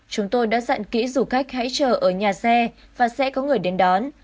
chúng tôi đã dặn kỹ du khách hãy chờ ở nhà xe và sẽ có người đến đón